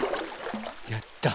やった。